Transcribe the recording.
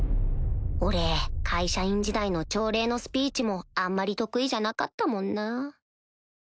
俺会社員時代の朝礼のスピーチもあんまり得意じゃなかったもんなぁ